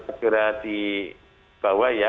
segera dibawa ya